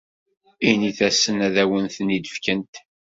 Init-asent ad awen-ten-id-fkent.